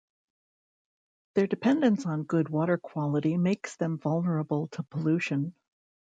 Their dependence on good water quality makes them vulnerable to pollution.